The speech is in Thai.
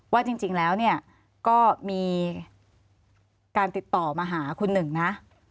ว่าจริงแล้วเนี่ยก็มีการติดต่อมาหาคุณหนึ่งนะ